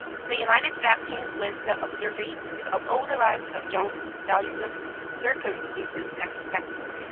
They united baptism with the observance of all the rites of Judaism, circumcision excepted.